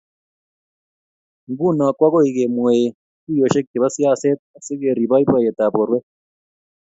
nguno koagoi kemweei tuiyoshek chebo siaset asikeriip boiboiyetab borwek.